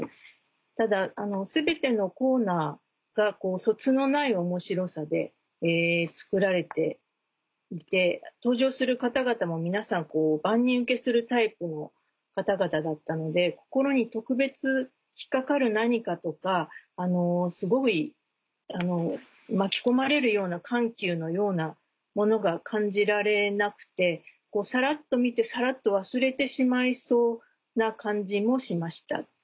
ただ全てのコーナーがそつのない面白さで作られていて登場する方々も皆さん万人ウケするタイプの方々だったので心に特別引っ掛かる何かとかすごい巻き込まれるような緩急のようなものが感じられなくてサラっと見てサラっと忘れてしまいそうな感じもしました。